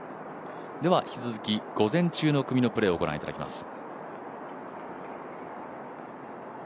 では引き続き午前中の組のプレーをご覧いただきます。